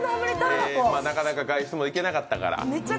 なかなか外出も行けなかったから。